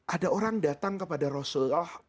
ada orang datang kepada rasulullah